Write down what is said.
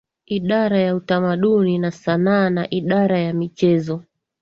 Idara ya Utamaduni na Sanaa na Idara ya Michezo